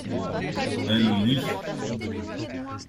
Elle lit.